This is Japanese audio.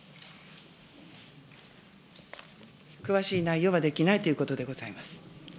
詳しい内容はできないということでございます。